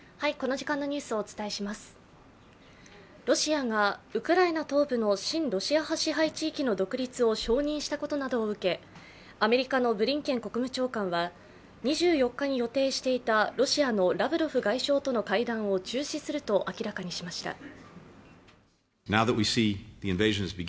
ロシアがウクライナ東部の親ロシア派支配地域の独立を承認したことなどを受けアメリカのブリンケン国務長官は２４日に予定していたロシアのラブロフ外相との会談を中止すると明らかにしました。